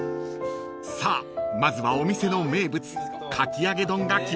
［さあまずはお店の名物かき揚丼が来ましたよ］